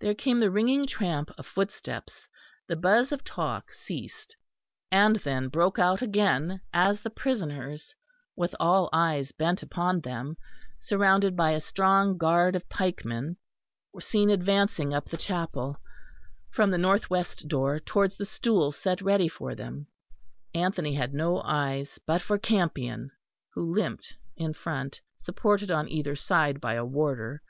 There came the ringing tramp of footsteps; the buzz of talk ceased and then broke out again, as the prisoners, with all eyes bent upon them, surrounded by a strong guard of pikemen, were seen advancing up the chapel from the north west door towards the stools set ready for them. Anthony had no eyes but for Campion who limped in front, supported on either side by a warder.